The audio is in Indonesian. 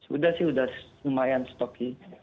sudah sih sudah lumayan stok